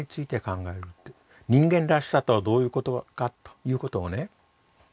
人間らしさとはどういうことかということをね